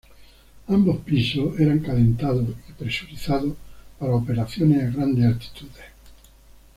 Ambos pisos eran calentados y presurizados para operaciones a grandes altitudes.